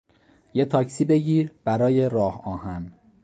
یه تاکسی بگیر برای راهآهن